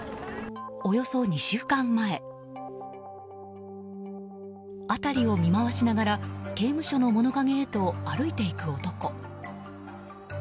およそ２週間前辺りを見回しながら刑務所の物陰へと歩いていく男。